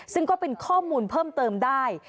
ซึ่งก็เป็นข้อมูลเพิ่มเติมได้